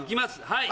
はい。